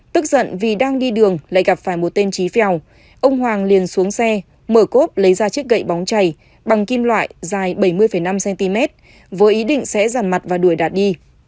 tức giận vì đang đi đường lại gặp phải một tên trí phèo ông hoàng liền xuống xe mở cốp lấy ra chiếc gậy bóng chảy bằng kim loại dài bảy mươi năm cm với ý định sẽ dàn mặt và đuổi đạt đi